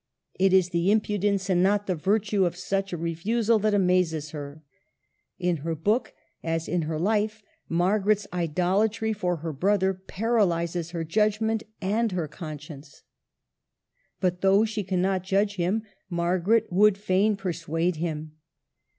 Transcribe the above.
It is the impudence and not the virtue of such a refusal that amazes her. In her book, as in her life, Margaret's idolatry for her brother paralyzes her judgment and her conscience. But though she cannot judge him, Margaret would fain persuade him.